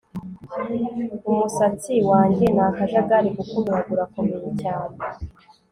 Umusatsi wanjye ni akajagari kuko umuyaga urakomeye cyane